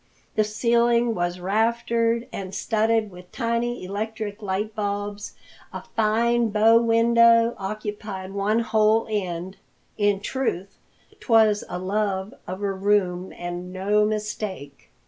The ceiling was raftered and studded with tiny electric light bulbs. A fine bow window occupied one whole end. In truth, 'twas a love of a room and no mistake.